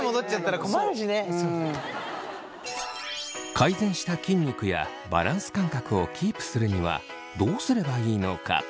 改善した筋肉やバランス感覚をキープするにはどうすればいいのか。